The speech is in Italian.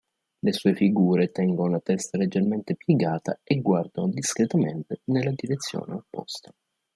Le sue figure tengono la testa leggermente piegata e guardano discretamente nella direzione opposta.